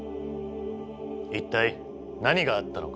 一体何があったのか？